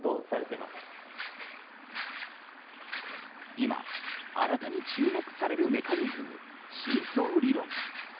今、新たに注目されるメカニズム、シーソー理論。